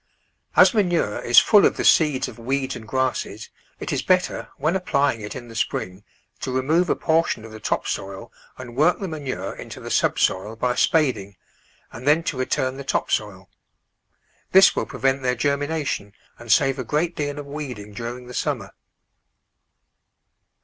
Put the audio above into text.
As manure is full of the seeds of weeds and grasses, it is better, when applying it in the spring, to remove a portion of the top soil and work the manure into the subsoil by spading, and then to return the top soil. This will prevent their germination and save a great deal of weeding during the summer.